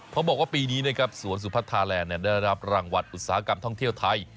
เขาบอกว่าปีนี้นะครับสวนสุพัทธาแลนด์ได้รับรางวัลอุตสาหกรรมท่องเที่ยวไทย